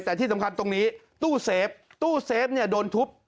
แต่ที่สำคัญตรงนี้ตู้เซฟตู้เซฟเนี่ยโดนทุบ